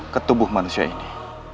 ketubuh manusia ini